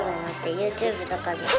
ＹｏｕＴｕｂｅとかでさ